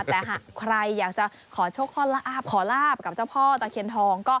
แต่ใครอยากได้ขอลาบกับเจ้าพ่อตะเคียนทอง